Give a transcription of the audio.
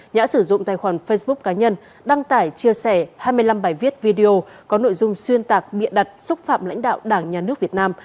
đã sử dụng tài khoản facebook cá nhân đăng tải chia sẻ hai mươi năm bài viết video có nội dung xuyên tạc bịa đặt xúc phạm lãnh đạo đảng nhà nước việt nam